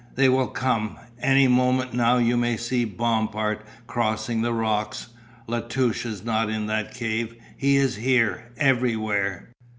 They will come. Any moment now you may see Bompard crossing the rocks. La Touche is not in that cave, he is here, everywhere.